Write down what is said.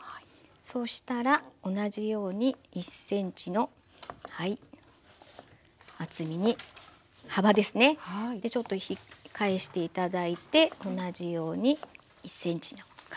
そしたら同じように１ｃｍのはい厚みに幅ですねでちょっと返して頂いて同じように１ｃｍの角切りにします。